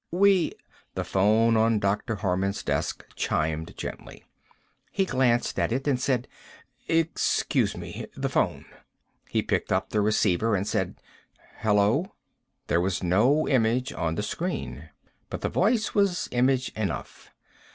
"We " The phone on Dr. Harman's desk chimed gently. He glanced at it and said: "Excuse me. The phone." He picked up the receiver and said: "Hello?" There was no image on the screen. But the voice was image enough.